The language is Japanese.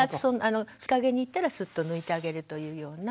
日陰に行ったらスッと抜いてあげるというような。